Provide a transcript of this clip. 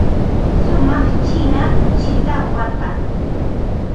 Shumaq china kuchita watan.